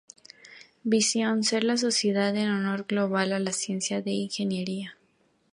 Visión: Ser la sociedad de honor global de la ciencia y la ingeniería.